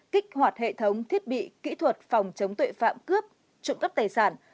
kích hoạt hệ thống thiết bị kỹ thuật phòng chống tuệ phạm cướp trụng cấp tài sản